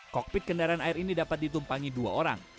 kokpit kendaraan air ini dapat ditumpangi dua orang